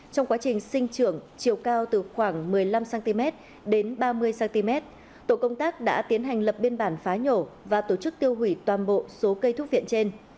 trong quá trình sinh trưởng chiều cao từ khoảng một mươi năm cm đến ba mươi cm tổ công tác đã tiến hành lập biên bản phá nhổ và tổ chức tiêu hủy toàn bộ số cây thuốc viện trên